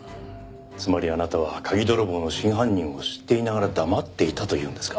つまりあなたは鍵泥棒の真犯人を知っていながら黙っていたというんですか。